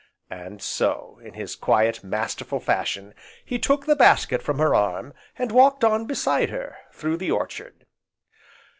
And so, in his quiet, masterful fashion he took the basket from her arm, and walked on beside her, through the orchard.